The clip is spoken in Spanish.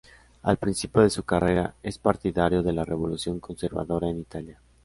Al principio de su carrera, es partidario de la revolución conservadora en Italia.